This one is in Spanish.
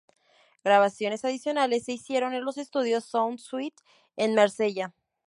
Grabaciones adicionales se hicieron en los estudios Sound Suite en Marsella.